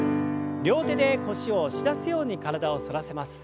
両手で腰を押し出すように体を反らせます。